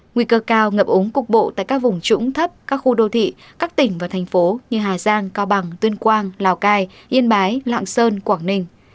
nguy cơ cao ngập úng cục bộ tại các vùng trũng thấp các khu đô thị các tỉnh và thành phố như hà giang cao bằng tuyên quang lào cai yên bái lạng sơn quảng ninh